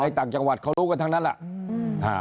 ต่างจังหวัดเขารู้กันทั้งนั้นแหละ